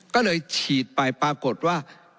ก็เลยฉีดไปปรากฏว่า